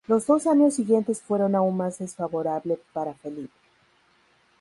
Los dos años siguientes fueron aún más desfavorable para Felipe.